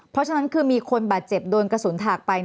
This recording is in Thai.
เพราะฉะนั้นคือมีคนบาดเจ็บโดนกระสุนถากไป